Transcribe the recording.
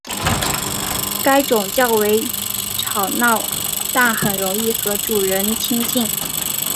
该种较为吵闹但很容易和主人亲近。